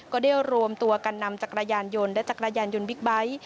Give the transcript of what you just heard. ก็ได้รวมตัวกันนำจักรยานยนต์และจักรยานยนต์บิ๊กไบท์